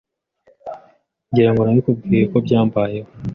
Ngira ngo nabikubwiye ko byambayeho